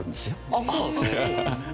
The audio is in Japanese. あっそうなんですか？